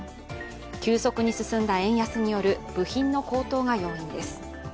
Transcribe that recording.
急速に進んだ円安による部品の高騰が要因です。